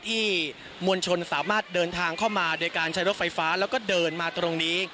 มวลชนสามารถเดินทางเข้ามาโดยการใช้รถไฟฟ้าแล้วก็เดินมาตรงนี้